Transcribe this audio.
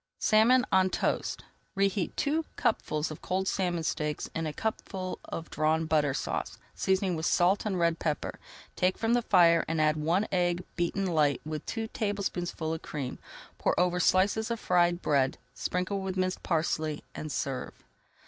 SALMON ON TOAST Reheat two cupfuls of cold salmon steaks in a cupful of Drawn Butter Sauce, seasoning with salt and red pepper. Take from the fire and add one egg beaten light with three tablespoonfuls of cream. Pour over slices of fried bread, sprinkle with minced parsley, and serve.